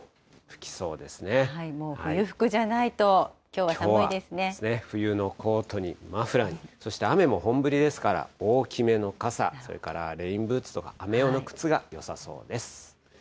もう冬服じゃないと、きょうきょうは冬のコートにマフラーに、そして雨も本降りですから、大きめの傘、それからレインブーツとか、雨用の靴がよさそうです。